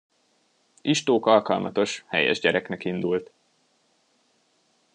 Istók alkalmatos, helyes gyereknek indult.